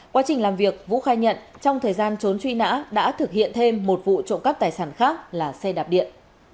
quá trình làm việc vũ khai nhận trong thời gian trốn truy nã đã thực hiện thêm một vụ trộm cắp tài sản khác là xe đạp điện